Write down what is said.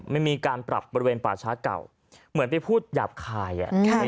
มีการปรับบริเวณป่าช้าเก่าเหมือนไปพูดหยาบคาย